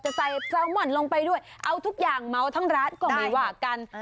จะใส่แซลมอนลงไปด้วยเอาทุกอย่างเมาทั้งร้านก็ไม่ว่ากัน